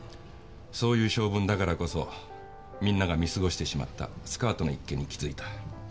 そういう性分だからこそみんなが見過ごしてしまったスカートの一件に気づいた。